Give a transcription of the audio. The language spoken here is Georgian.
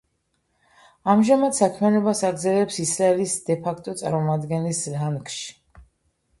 ამჟამად საქმიანობას აგრძელებს ისრაელის დე-ფაქტო წარმომადგენლის რანგში.